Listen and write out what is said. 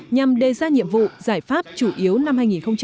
nhằm đề ra nhiệm vụ giải pháp chủ yếu năm hai nghìn một mươi chín